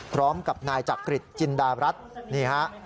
พร้อมกับนายจักริจจินดารัฐนี่ฮะ